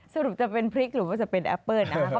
สรุปจะเป็นพริกหรือว่าจะเป็นแอปเปิ้ลนะครับ